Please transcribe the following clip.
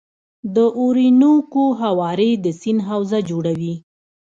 د اورینوکو هوارې د سیند حوزه جوړوي.